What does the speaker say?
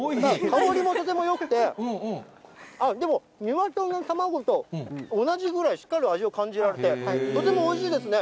香りもとてもよくて、あ、でもニワトリの卵と同じぐらい、しっかり味を感じられて、とてもおいしいですね。